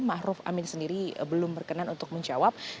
maruf amin sendiri belum berkenan untuk menjawab